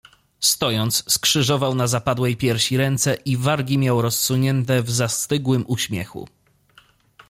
"Stojąc, skrzyżował na zapadłej piersi ręce i wargi miał rozsunięte w zastygłym uśmiechu."